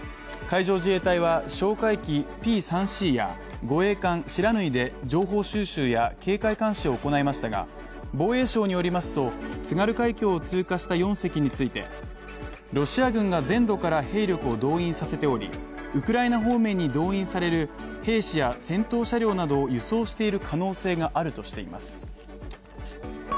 海上自衛隊は哨戒機Ｐ３Ｃや護衛艦「しらぬい」で情報収集や警戒監視を行いましたが、防衛省によりますと津軽海峡を通過した４隻についてロシア軍が全土から兵力を動員させておりウクライナ方面に動員される兵士や戦闘車両などを輸送している可能性があるとしています。